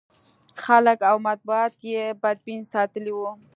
خلک او مطبوعات یې بدبین ساتلي و.